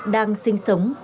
đang sinh sống